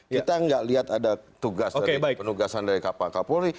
kita nggak lihat ada tugas dari penugasan dari pak kapolri